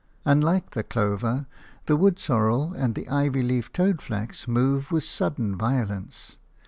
Unlike the clover, the wood sorrel and the ivy leaved toadflax move with sudden violence.